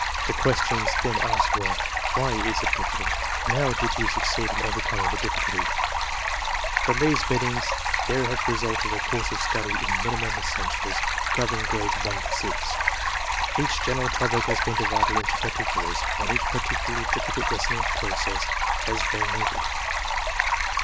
The questions then asked were, "Why is it difficult?" and "How did you succeed in overcoming the difficulty?" From these meetings there has resulted a course of study in minimum essentials, covering Grades 1 to 6. Each general topic has been divided into particulars, and each particularly difficult lesson or process has been noted.